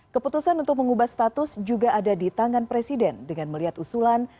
keputusan untuk mengubah status juga ada di tangan presiden dengan melihat usulan